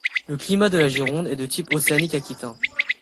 Le climat de la Gironde est de type océanique aquitain.